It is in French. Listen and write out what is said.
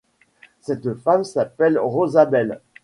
Cette femme s'appelle Rosabel.